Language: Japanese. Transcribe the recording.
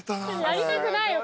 やりたくないよ